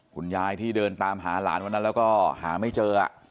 คุณยายที่เดินตามหาหลานวันนั้นแล้วก็หาไม่เจอ